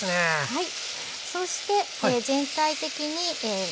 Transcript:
はい。